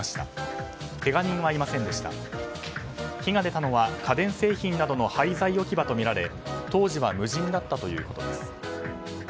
火が出たのは家電製品などの廃材置き場とみられ当時は無人だったということです。